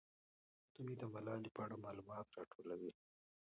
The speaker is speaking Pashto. دوی د ملالۍ په اړه معلومات راټولوي.